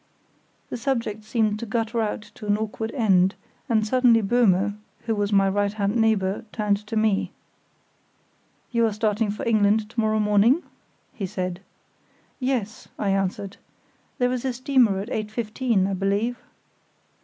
The subject seemed to gutter out to an awkward end, and suddenly Böhme, who was my right hand neighbour, turned to me. "You are starting for England to morrow morning?" he said. "Yes," I answered; "there is a steamer at 8.15, I believe."